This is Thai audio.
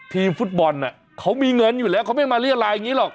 ทีมฟุตบอลเขามีเงินอยู่แล้วเขาไม่มาเรียรายอย่างนี้หรอก